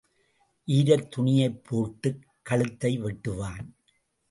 ஈரத் துணியைப் போட்டுக் கழுத்தை வெட்டுவான்.